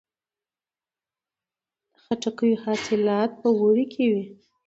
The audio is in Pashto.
د خربوزو حاصلات په اوړي کې وي.